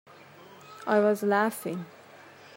I was laughing.